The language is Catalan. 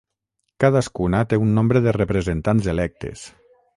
Cadascuna té un nombre de representants electes.